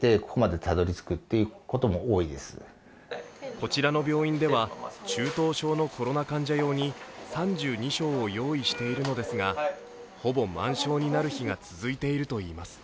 こちらの病院では中等症のコロナ患者用に３２床を用意しているのですが、ほぼ満床になる日が続いているといいます。